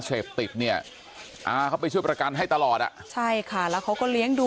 แค้นเหล็กเอาไว้บอกว่ากะจะฟาดลูกชายให้ตายเลยนะ